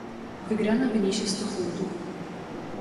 "Wygrana wyniesie sto funtów."